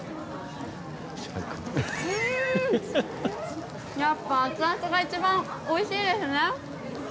うーん、やっぱアツアツが一番おいしいですね！